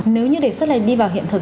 nếu như đề xuất đi vào hiện thực